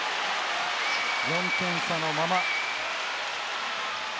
４点差のまま。